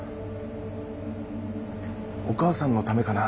お母さんのためかな？